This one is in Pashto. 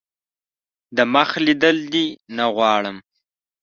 دمخ لیدل دي نه غواړم .